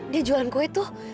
dia jualan kue tuh